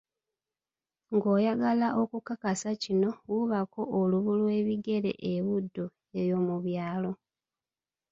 Ng'oyagala okukakasa kino wuubako olubu lwebigere e Buddu, eyo mu byalo.